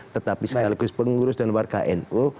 tetapi sekaligus pengurus dan warga nu